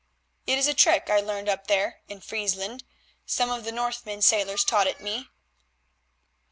"It is a trick I learned up there in Friesland. Some of the Northmen sailors taught it me.